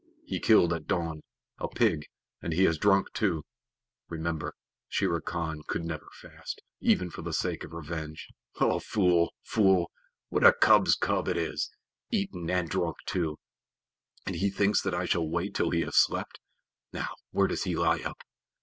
"He killed at dawn, a pig, and he has drunk too. Remember, Shere Khan could never fast, even for the sake of revenge." "Oh! Fool, fool! What a cub's cub it is! Eaten and drunk too, and he thinks that I shall wait till he has slept! Now, where does he lie up?